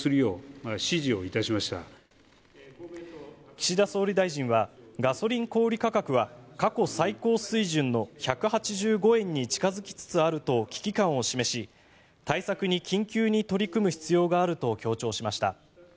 岸田総理大臣はガソリン小売価格は過去最高水準の１８５円に近付きつつあると危機感を示し対策に緊急に取り組む必要があると強調しました。